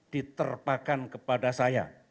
diterpakan kepada saya